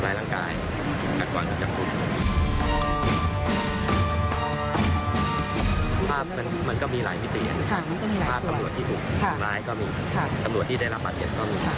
เราทำตามหน้างานถึงเมื่อวานมีการประกัด